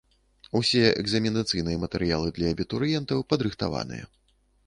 Усе экзаменацыйныя матэрыялы для абітурыентаў падрыхтаваныя.